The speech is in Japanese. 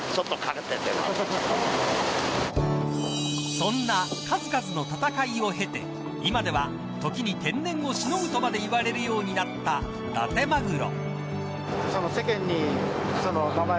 そんな数々の戦いを経て今では、時に天然をしのぐとまで言われるようになっただてまぐろ。